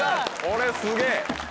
これすげぇ。